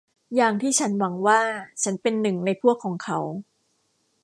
อย่างที่ฉันหวังว่าฉันเป็นหนึ่งในพวกของเขา